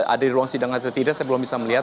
ada di ruang sidang atau tidak saya belum bisa melihat